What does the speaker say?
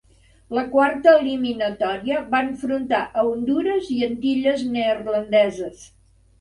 La quarta eliminatòria va enfrontar a Hondures i a Antilles Neerlandeses.